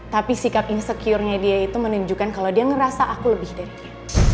tapi sikap insecure nya dia itu menunjukkan kalau dia ngerasa aku lebih dari